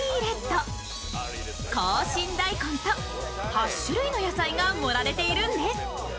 ８種類の野菜が盛られているんです。